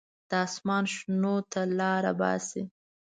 د اسمان شنو ته لاره باسي.